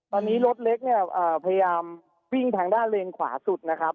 ตอนนี้รถเล็กเนี่ยพยายามวิ่งทางด้านเลนขวาสุดนะครับ